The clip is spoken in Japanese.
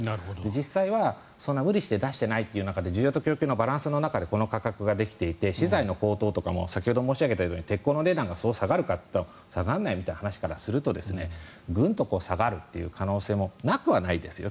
実際はそんなに無理して出してないという中で需要と供給のバランスでこの価格ができていて資材高騰の中で先ほど申し上げたように鉄鋼の値段が下がるかというとそう下がらないという話からするとグンと下がるという可能性もなくはないですよ。